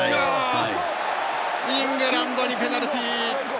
イングランドにペナルティー。